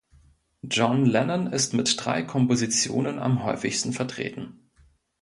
John Lennon ist mit drei Kompositionen am häufigsten vertreten.